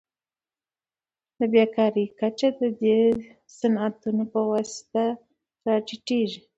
د بیکارۍ کچه د دې صنعتونو په واسطه راټیټیږي.